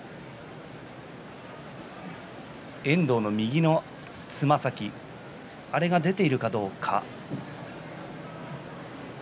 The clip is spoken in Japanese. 遠藤の右のつま先が出ているかどうか。